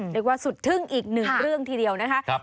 สุดทึ่งอีกหนึ่งเรื่องทีเดียวนะคะ